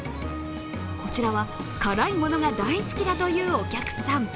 こちらは、辛いものが大好きだというお客さん。